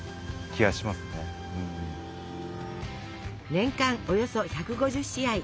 年間およそ１５０試合。